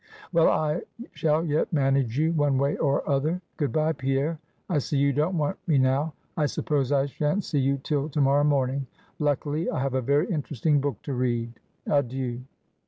Well, I shall yet manage you, one way or other. Good bye, Pierre; I see you don't want me now. I suppose I shan't see you till to morrow morning. Luckily, I have a very interesting book to read. Adieu!"